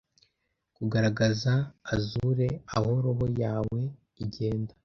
kugaragaza azure aho roho yawe igenda